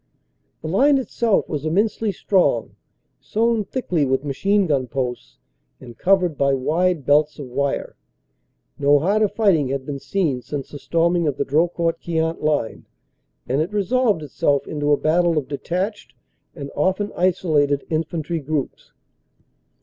The line itself was immensely strong, sown thickly with machine gun posts and covered by wide belts of wire. No harder fighting had been seen since the storming of the Dro court Queant line, and it resolved itself into a battle of detached and often isolated infantry groups.